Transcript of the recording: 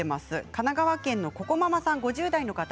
神奈川県の方、５０代の方。